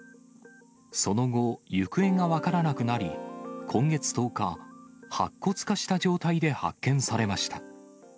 その後、行方が分からなくなり、今月１０日、白骨化した状態で発見されました。